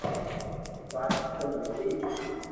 وات ختم ھوئي گئي